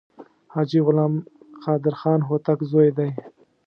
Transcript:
حاجي غلام قادر خان هوتک زوی دی.